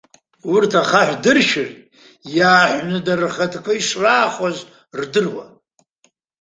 Урҭ ахаҳә дыршәыр, иааҳәны дара рхаҭақәа ишраахоз рдыруан.